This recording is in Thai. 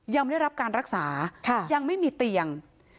ยังไม่ได้รับการรักษายังไม่มีเตียง